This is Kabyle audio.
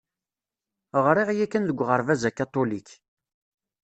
Ɣriɣ yakan deg uɣerbaz akatulik.